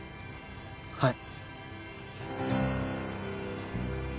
はい。